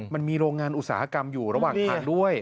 มันมีโรงงานอุตสาหกรรมอยู่ระหว่างทางด้วย